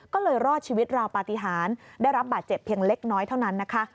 ก็เลยรอดชีวิตราวปฏิหารได้รับบาดเจ็บเพียงเล็กน้อยเท่านั้นนะคะ